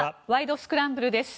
スクランブル」です。